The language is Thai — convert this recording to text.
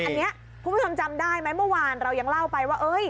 อันนี้คุณผู้ชมจำได้ไหมเมื่อวานเรายังเล่าไปว่า